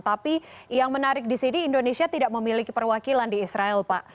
tapi yang menarik di sini indonesia tidak memiliki perwakilan di israel pak